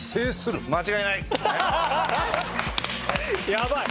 やばい。